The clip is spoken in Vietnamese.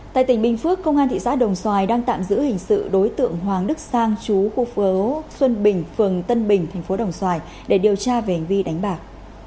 tại tỉnh bình phước công an thị xã đồng xoài đang tạm giữ hình sự đối tượng hoàng đức sang chú khu phố xuân bình phường tân bình thành phố đồng xoài để điều tra về hành vi đánh bạc